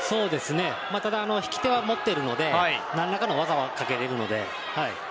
ただ引き手は持っているので何らかの技はかけれます。